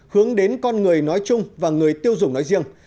hướng đến con người nói chung và người tiêu dùng nói riêng